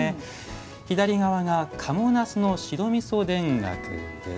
左側が「賀茂なすの白みそ田楽」。